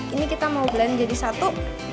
ini kita mau belanja jadi satu